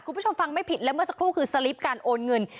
คุณผู้ชมฟังไม่ผิดแล้วเมื่อสักครู่คือสลิปการโอนเงิน